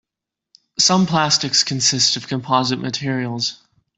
Some plastics consist of composite materials.